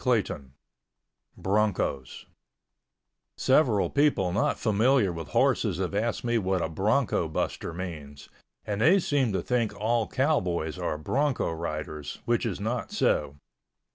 CHAPTER XVI BRONCOS Several people not familiar with horses have asked me what a bronco buster means, and they seem to think all cowboys are bronco riders, which is not so.